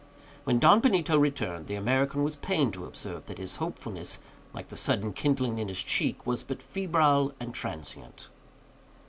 When Don Benito returned, the American was pained to observe that his hopefulness, like the sudden kindling in his cheek, was but febrile and transient.